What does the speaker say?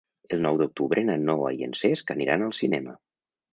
El nou d'octubre na Noa i en Cesc aniran al cinema.